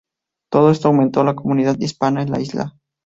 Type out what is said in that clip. Todo esto aumentó la comunidad hispana en la isla.